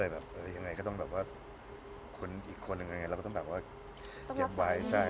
บอกว่าต้องคุ้นอีกคนแล้วก็ต้องเก็บไว้